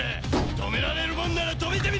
止められるもんなら止めてみな！